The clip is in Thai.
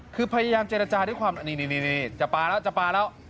คือพยายามเจรจาด้วยความนี่จะปลาแล้วจะปลาแล้ว